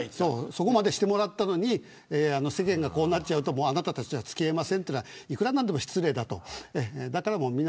そこまでしてもらったのに世間がこうなっちゃうとあなたたちとは付き合いませんというのはいくら何でも失礼だと。